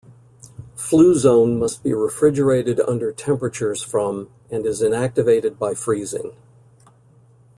Fluzone must be refrigerated under temperatures from and is inactivated by freezing.